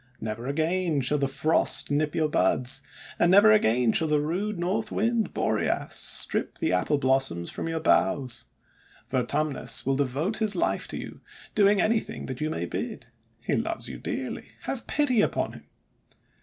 Never again shall the Frost nip your buds; and never again shall the rude North Wind, Boreas, strip the Apple Blossoms from your boughs. Vertumnus THE WOOING OF POMONA 437 will devote his life to you, doing anything that you may bid. He loves you dearly; have pity upon him!